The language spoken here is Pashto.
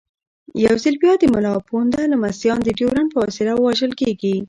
یو ځل بیا د ملا پوونده لمسیان د ډیورنډ په وسیله وژل کېږي.